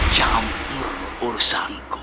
gue melepaskan kamu